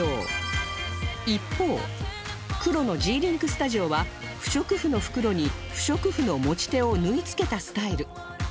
一方黒のジーリンクスタジオは不織布の袋に不織布の持ち手を縫い付けたスタイル